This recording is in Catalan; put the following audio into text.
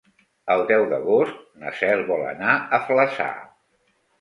El deu d'agost na Cel vol anar a Flaçà.